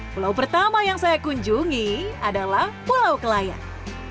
pulau pertama yang saya kunjungi adalah pulau kelayan